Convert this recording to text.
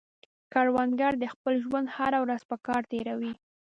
کروندګر د خپل ژوند هره ورځ په کار تېروي